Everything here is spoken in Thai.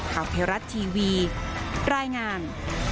ข่าวเพราะทีวีรายงาน